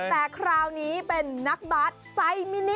แต่คราวนี้เป็นนักบาสไซมินิ